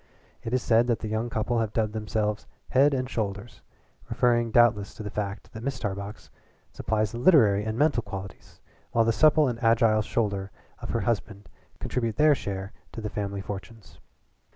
It is said that the young couple have dubbed themselves Head and Shoulders, referring doubtless to the fact that Mrs. Tarbox supplies the literary and mental qualities, while the supple and agile shoulder of her husband contribute their share to the family fortunes.